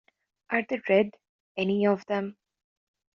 Are they red, any of them?